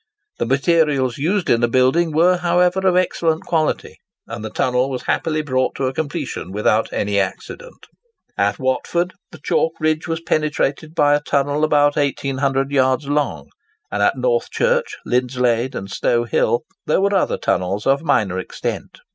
The materials used in the building were, however, of excellent quality; and the tunnel was happily brought to a completion without any accident. At Watford the chalk ridge was penetrated by a tunnel about 1800 yards long; and at Northchurch, Lindslade, and Stowe Hill, there were other tunnels of minor extent.